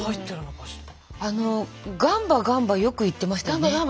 あの「ガンバガンバ」よく言ってましたよね。